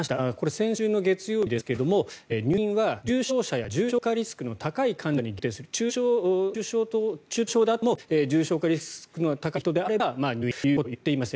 先週の月曜日ですが入院は重症者や重症化リスクの高い患者に中等症であっても重症化リスクの高い人であれば入院ということを言っていました。